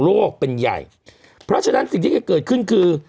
เป็นใหญ่เพราะฉะนั้นสิ่งที่จะเกิดขึ้นคือ